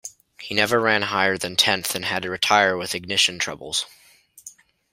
He never ran higher than tenth and had to retire with ignition troubles.